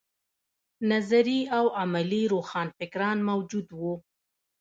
نظري او عملي روښانفکران موجود وو.